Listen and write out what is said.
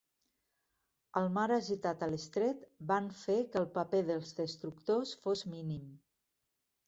El mar agitat a l'Estret van fer que el paper dels destructors fos mínim.